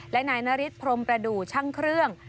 และนายนฤทธพรมประดูกช่างเครื่อง